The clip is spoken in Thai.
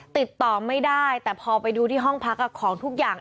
ติดต่อไม่ได้แต่พอไปดูที่ห้องพักของทุกอย่าง